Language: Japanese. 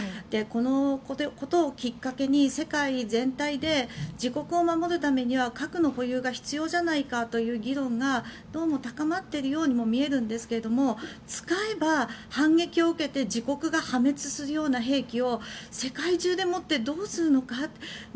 このことをきっかけに世界全体で自国を守るためには核の保有が必要じゃないかという議論がどうも高まっているようにも見えるんですが使えば反撃を受けて自国が破滅するような兵器を世界中で持ってどうするのか。